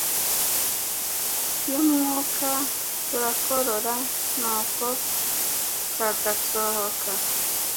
yumwuka turakorora nuko kagasohoka.